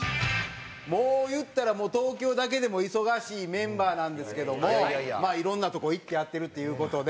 もう言ったら東京だけでも忙しいメンバーなんですけどもいろんなとこ行ってやってるっていう事で。